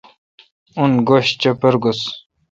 اون گش چیپر گوس۔